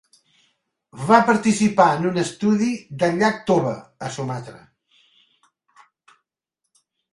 Va participar en un estudi del llac Toba, a Sumatra.